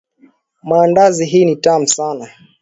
Maandazi hii ni tamu sana.